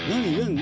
何？